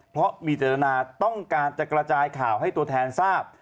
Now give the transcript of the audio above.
เพราะมีเจตนาต้องการจะกระจายข่าวให้ตัวแทนทราบ